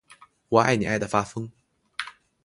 我爱你爱的发疯